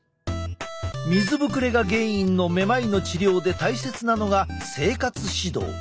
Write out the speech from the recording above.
水ぶくれが原因のめまいの治療で大切なのが生活指導。